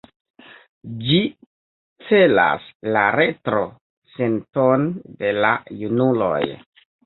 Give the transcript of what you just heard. Ĝi celas la retro-senton de la junuloj.